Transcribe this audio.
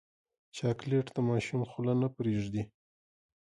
چاکلېټ د ماشوم خوله نه پرېږدي.